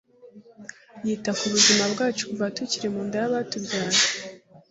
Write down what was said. yita ku buzima bwacu kuva tukiri mu nda y’abatubyaye,